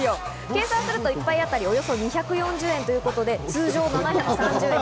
計算すると、１杯あたりおよそ２４０円ということで通常７３０円。